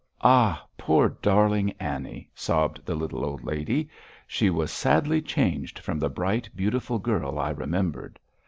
Ah, poor darling Annie!' sobbed the little old lady, 'she was sadly changed from the bright, beautiful girl I remembered.